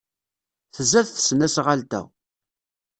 Tzad tesnasɣalt-a.